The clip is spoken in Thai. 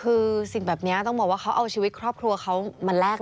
คือสิ่งแบบนี้ต้องบอกว่าเขาเอาชีวิตครอบครัวเขามาแลก